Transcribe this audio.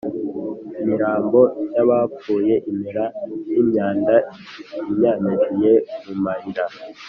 imirambo y’abapfuye imera nk’imyanda inyanyagiye mu mayira.